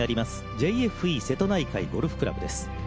ＪＦＥ瀬戸内海ゴルフ倶楽部です。